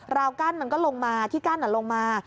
กั้นมันก็ลงมาที่กั้นลงมา